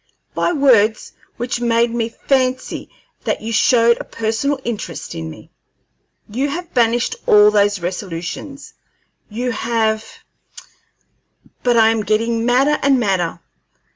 By words which made me fancy that you showed a personal interest in me, you have banished all those resolutions; you have But I am getting madder and madder.